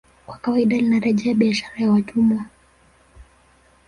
Kwa kawaida linarejea biashara ya watumwa